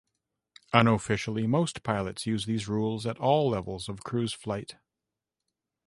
Unofficially, most pilots use these rules at all levels of cruise flight.